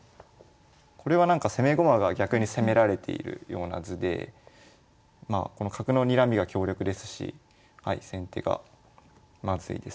これはなんか攻め駒が逆に攻められているような図でまあこの角のにらみが強力ですし先手がまずいですね。